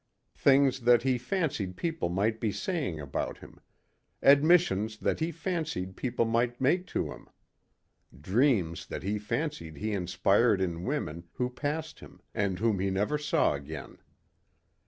Things that he fancied people might be saying about him; admissions that he fancied people might make to him; dreams that he fancied he inspired in women who passed him and whom he never saw again.